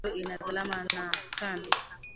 Ngombe ina zalana Saną